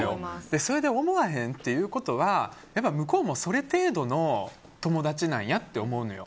それで思わへんということは向こうも、それ程度の友達なんやって思うのよ。